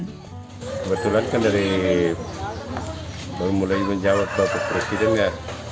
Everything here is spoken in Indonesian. kebetulan kan dari mulai menjawab bapak presiden ya